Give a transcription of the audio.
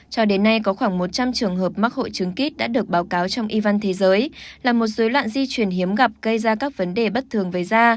cho đến nay có khoảng một trăm linh trường hợp mắc hội chứng kít đã được báo cáo trong yvonne thế giới là một dối loạn di chuyển hiếm gặp gây ra các vấn đề bất thường với da